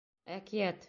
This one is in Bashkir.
Әкиәт...